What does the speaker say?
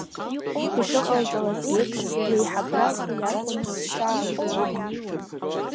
Ишыҟалҵалац еиԥш леиҳабра лхы иархәаны ҿаалҭит…